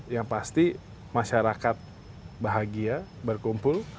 yang pasti masyarakat bahagia berkumpul